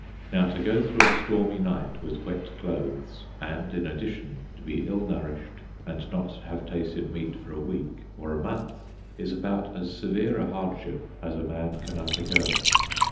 Now, to go through a stormy night with wet clothes, and, in addition, to be ill nourished and not to have tasted meat for a week or a month, is about as severe a hardship as a man can undergo.